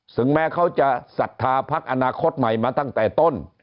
ถึงแม้เขาจะศรัทธาพักอนาคตใหม่มาตั้งแต่ต้น